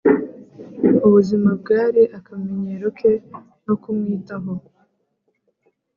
ubuzima bwari akamenyero ke no kumwitaho,